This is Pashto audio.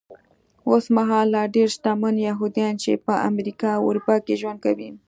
اوسمهال لا ډېر شتمن یهوديان چې په امریکا او اروپا کې ژوند کوي.